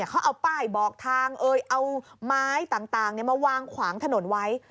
เขาเอาป้ายบอกทางเอาไม้ต่างมาวางขวางถนนไว้